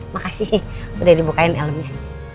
makasih udah dibukain helmnya